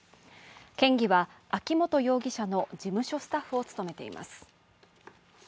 県議は秋本容疑者の事務所スタッフを務めています。